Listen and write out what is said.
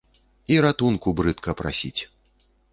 І ратунку брыдка прасіць.